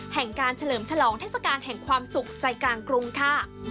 แห่งการเฉลิมฉลองเทศกาลแห่งความสุขใจกลางกรุงค่ะ